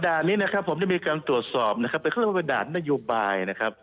นี้นะครับผมได้มีการตรวจสอบนะครับเป็นเขาเรียกว่าเป็นด่านนโยบายนะครับ